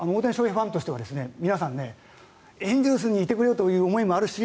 ファンとしては皆さんエンゼルスにいてくれよという思いもあるし